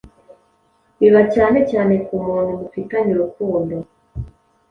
biba cyane cyane ku muntu mufitanye urukundo